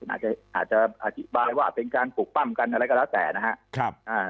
อาจจะอาจจะอธิบายว่าเป็นการปลูกปั้มกันอะไรก็แล้วแต่นะครับ